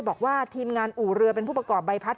บอกว่าทีมงานอู่เรือเป็นผู้ประกอบใบพัด